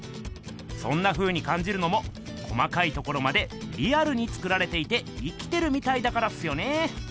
そんなふうにかんじるのも細かいところまでリアルに作られていて生きてるみたいだからっすよね。